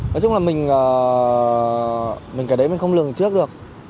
nói chung là mình kể đấy mình không lường trước được